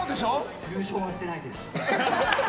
優勝はしてないです。